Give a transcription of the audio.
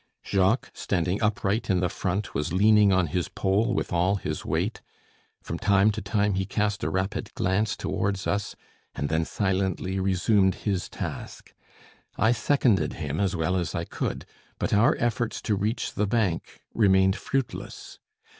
Jacques, standing upright in the front, was leaning on his pole with all his weight; from time to time he cast a rapid glance towards us, and then silently resumed his task. I seconded him as well as I could, but our efforts to reach the bank remained fruitless.